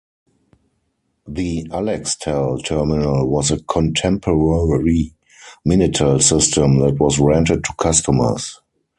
The "Alextel" terminal was a contemporary Minitel system that was rented to customers.